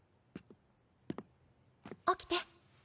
起きて。